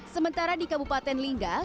sementara di kabupaten ternate